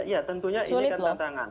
ya tentunya ini kan tantangan